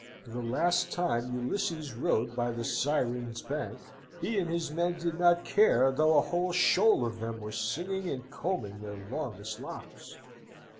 The last time. Ulysses rowed by the Sirens' bank, he and his men did not care though a whole shoal of them were singing and combing their longest locks.